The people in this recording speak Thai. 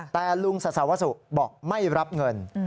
แต่ลุงสัสสาวสุบอกไม่รับเงิน